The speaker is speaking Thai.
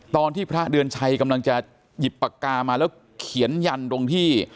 พระเดือนชัยกำลังจะหยิบปากกามาแล้วเขียนยันตรงที่